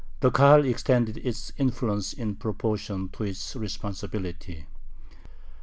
The Kahal extended its influence in proportion to its responsibility.